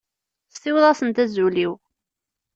Siweḍ-asent azul-iw.